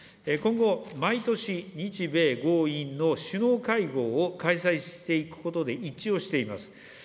今後、毎年、日米豪印の首脳会合を開催していくことで一致をしています。